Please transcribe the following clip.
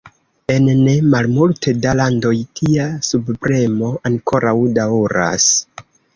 En ne malmulte da landoj, tia subpremo ankoraŭ daŭras.